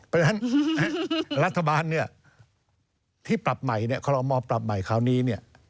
เพราะฉะนั้นรัฐบาลที่ปรับใหม่ข้อมอบปรับใหม่คราวนี้